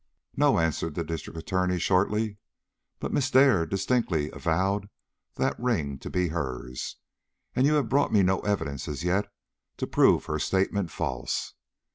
"No," answered the District Attorney, shortly. "But Miss Dare distinctly avowed that ring to be hers, and you have brought me no evidence as yet to prove her statement false.